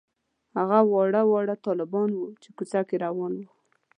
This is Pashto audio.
هغه واړه واړه طالبان وو چې کوڅه کې روان وو.